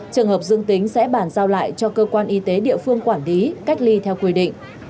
trường hợp dương tính sẽ bàn giao lại cho cơ quan y tế địa phương quản lý cách ly theo quy định